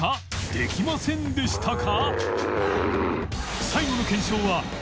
できませんでしたか？